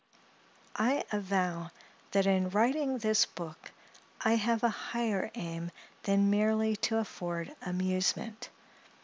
I avow, that in writing this book, I have a higher aim than merely to afford amusement.